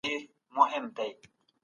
د لويي جرګې د بریالیتوب راز څه دی؟